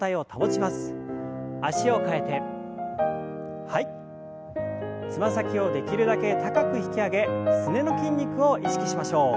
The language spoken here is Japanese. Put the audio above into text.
つま先をできるだけ高く引き上げすねの筋肉を意識しましょう。